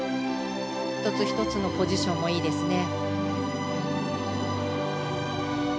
１つ１つのポジションもいいですね。